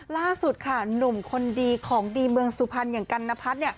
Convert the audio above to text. ล่าสุดค่ะหนุ่มคนดีของดีเมืองสุพรรณอย่างกันนพัฒน์